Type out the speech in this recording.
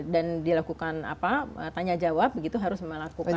dan dilakukan apa tanya jawab begitu harus melakukan